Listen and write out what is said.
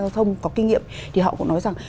giao thông có kinh nghiệm thì họ cũng nói rằng